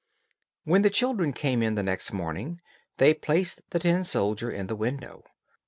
When the children came in the next morning, they placed the tin soldier in the window.